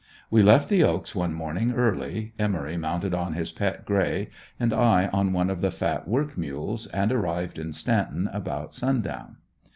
We left the "Oaks" one morning early, Emory mounted on his pet "Grey" and I on one of the fat work mules and arrived in "Stanton" about sundown.